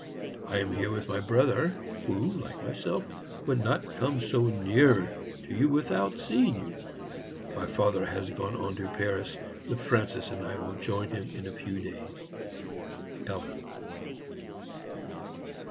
I am here with my brother, who, like myself, would not come so near to you without seeing you. My father has gone on to Paris, where Francis and I will join him in a few days. ELLEN."